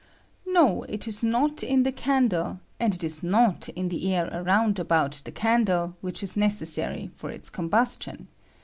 No, it is not in the candle ; and it is not in the air around about the candle which is neces sary for its combustion.